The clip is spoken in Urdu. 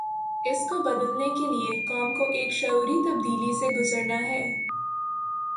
اس کو بدلنے کے لیے قوم کو ایک شعوری تبدیلی سے گزرنا ہے۔